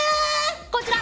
こちら！